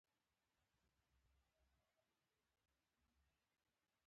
له ظالم سره خیرخواهي کول دي.